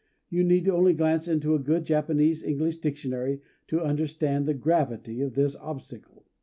You need only glance into any good Japanese English dictionary to understand the gravity of this obstacle.